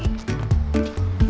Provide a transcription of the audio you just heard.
mun mana tuh mun